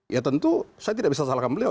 ya tentu saya tidak bisa salahkan beliau